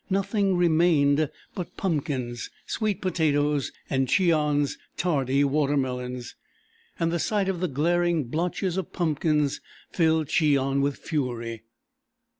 Nothing remained but pumpkins, sweet potatoes, and Cheon's tardy watermelons, and the sight of the glaring blotches of pumpkins filled Cheon with fury.